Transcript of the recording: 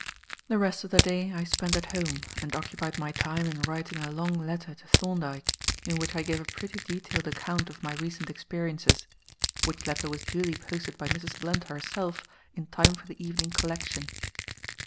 The rest of the day I spent at home and occupied my time in writing a long letter to Thorndyke in which I gave a pretty detailed account of my recent experiences; which letter was duly posted by Mrs. Blunt herself in time for the evening collection.